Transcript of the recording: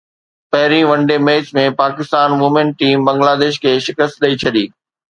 پهرين one day match ۾ Pakistan women team Bangladesh کي شڪست ڏئي ڇڏي